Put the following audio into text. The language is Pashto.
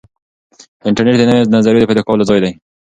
انټرنیټ د نویو نظریو د پیدا کولو ځای دی.